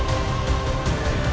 sampai jumpa lagi